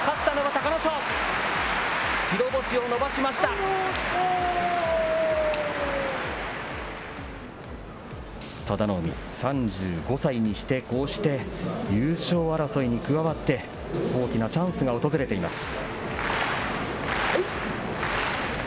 佐田の海、３５歳にしてこうして優勝争いに加わって、大きなチャンスが訪れています。